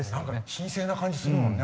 神聖な感じするもんね